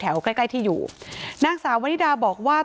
ทั้งครูก็มีค่าแรงรวมกันเดือนละประมาณ๗๐๐๐กว่าบาท